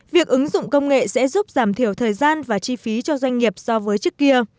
việc ứng dụng công nghệ sẽ giúp giảm thiểu thời gian và chi phí cho doanh nghiệp so với trước kia